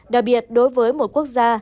đặc biệt đối với một quốc gia